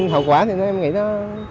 hậu quả thì em nghĩ nó